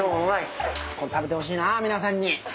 これ食べてほしいな皆さんに。